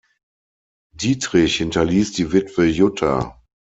Dietrich hinterließ die Witwe Jutta.